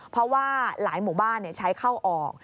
เพราะว่าหลายหมู่บ้านใช้เข้าออก